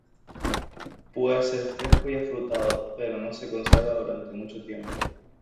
Puede ser fresco y afrutado, pero no se conserva durante mucho tiempo.